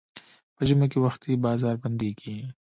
په ژمي کې وختي بازار بندېږي.